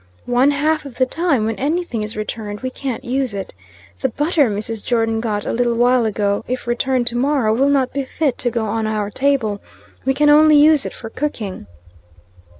"One half of the time, when anything is returned, we can't use it. The butter Mrs. Jordon got a little while ago, if returned to morrow, will not be fit to go on our table. We can only use it for cooking."